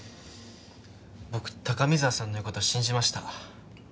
僕高見沢さんの言う事信じました。